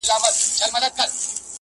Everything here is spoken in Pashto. o هغه آش، هغه کاسه٫